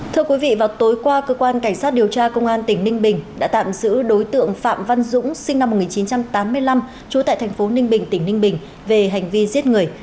thưa quý vị vào tối qua cơ quan cảnh sát điều tra công an tỉnh ninh bình đã tạm giữ đối tượng phạm văn dũng sinh năm một nghìn chín trăm tám mươi năm trú tại thành phố ninh bình tỉnh ninh bình về hành vi giết người